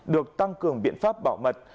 được tăng cường biện pháp bảo mật